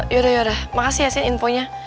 yaudah yaudah makasih ya sien infonya